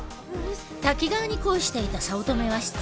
滝川に恋していた早乙女は失恋。